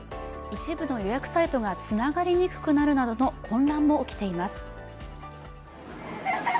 一部の予約サイトがつながりにくくなるなどの混乱も起きています。